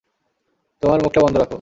তোমার মুখটা বন্ধ রাখো।